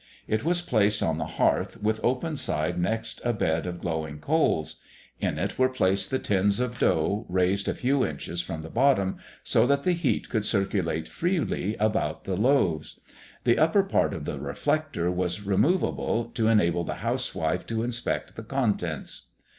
It was placed on the hearth with the open side next a bed of glowing coals. In it were placed the tins of dough raised a few inches from the bottom, so that the heat could circulate freely about the loaves. The upper part of the reflector was removable, to enable the housewife to inspect the contents.